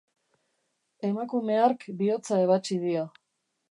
Emakume hark bihotza ebatsi dio.